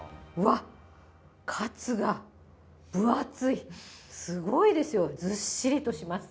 うわっ、カツが分厚い、すごいですよ、ずっしりとします。